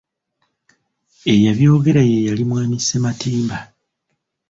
Eyabyogera ye yali mwani Ssematimba.